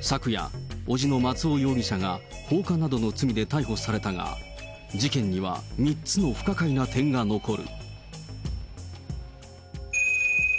昨夜、伯父の松尾容疑者が放火などの罪で逮捕されたが、事件には３つの不可解な点が残る。